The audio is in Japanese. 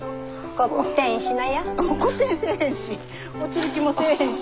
コッテンせえへんし落ちる気もせえへんし。